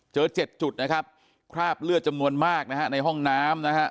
๗จุดนะครับคราบเลือดจำนวนมากนะฮะในห้องน้ำนะฮะ